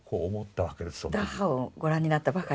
ダッハウをご覧になったばかり。